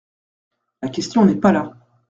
La question n’est pas là.